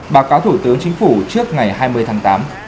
báo cáo thủ tướng chính phủ trước ngày hai mươi tháng tám